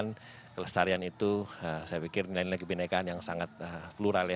dan kelestarian itu saya pikir nilai nilai kebenekaan yang sangat plural ya